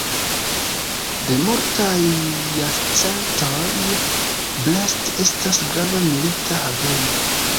De multaj jarcentoj, Brest estas grava milita haveno.